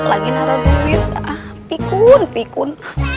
lagi naro duit terus pikun pikun